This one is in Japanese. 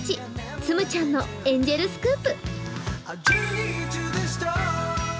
つむちゃんのエンジェルスクープ。